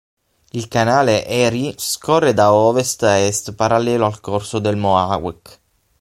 Il canale Erie scorre da ovest a est parallelo al corso del Mohawk.